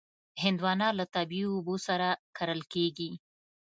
هندوانه له طبعي اوبو سره کرل کېږي.